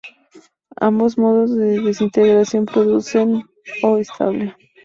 Ambos modos de desintegración producen O estable.